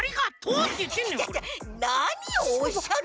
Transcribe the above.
なにをおっしゃる！？